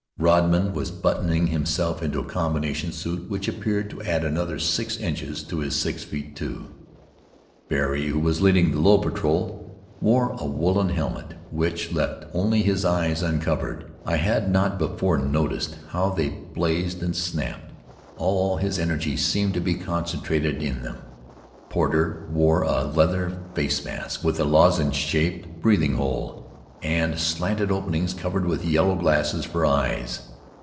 Rodman was buttoning himself into a combination suit which appeared to add another six inches to his six feet two. Barry, who was leading the low patrol, wore a woolen helmet which left only his eyes uncovered. I had not before noticed how they blazed and snapped. All his energy seemed to be concentrated in them. Porter wore a leather face mask, with a lozenge shaped breathing hole, and slanted openings covered with yellow glass for eyes.